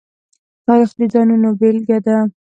تاریخ د ځانونو بېلګه ده.